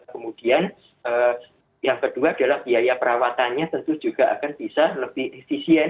kemudian yang kedua adalah biaya perawatannya tentu juga akan bisa lebih efisien